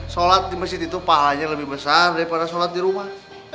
sholat di masjid itu pahalanya lebih besar daripada sholat di rumah